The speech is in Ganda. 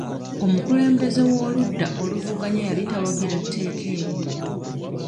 Omukulembeze w'oludda oluvuganya yali tawagira tteeka eryo.